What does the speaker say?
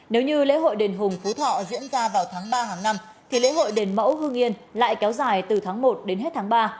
nếu như lễ hội đền hùng phú thọ diễn ra vào tháng ba hàng năm thì lễ hội đền mẫu hương yên lại kéo dài từ tháng một đến hết tháng ba